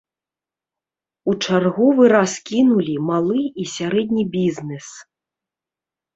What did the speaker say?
У чарговы раз кінулі малы і сярэдні бізнес.